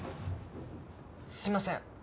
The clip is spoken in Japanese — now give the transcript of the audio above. すいません